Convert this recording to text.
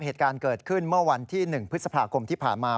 เหตุการณ์เกิดขึ้นเมื่อวันที่๑พฤษภาคมที่ผ่านมา